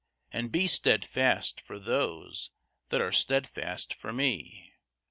And be steadfast for those that are steadfast for me."